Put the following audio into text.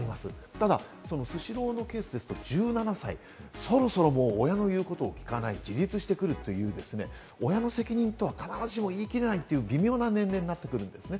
ただスシローのケースですと１７歳、そろそろもう親の言うことを聞かない、自立してくる、親の責任とは必ずしも言い切れないという微妙な年齢になってくるんですね。